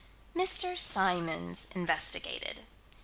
Mr. Symons investigated.